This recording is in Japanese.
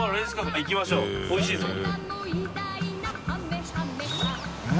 行きましょうおいしいですか？